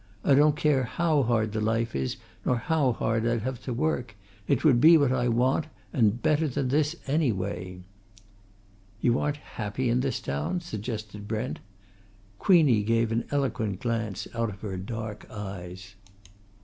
I don't care how hard the life is, nor how hard I'd have to work it would be what I want, and better than this anyway!" "You aren't happy in this town?" suggested Brent. Queenie gave an eloquent glance out of her dark eyes.